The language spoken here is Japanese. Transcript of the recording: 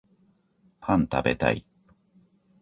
パン食べたい